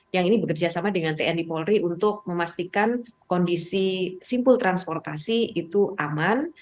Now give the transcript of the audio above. yang ini bekerja sama dengan tni polri untuk memastikan kondisi simpul transportasi itu aman